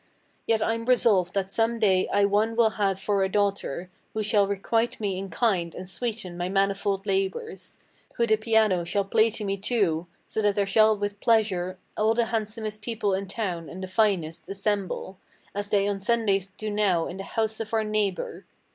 Yet I'm resolved that some day I one will have for a daughter, Who shall requite me in kind and sweeten my manifold labors; Who the piano shall play to me, too; so that there shall with pleasure All the handsomest people in town and the finest assemble, As they on Sundays do now in the house of our neighbor."